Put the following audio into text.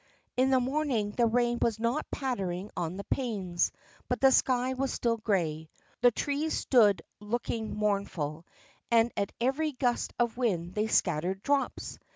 In the morning the rain was not pattering on the panes, but the sky was still grey. The trees stood looking mournful, and at every gust of wind they scattered drops.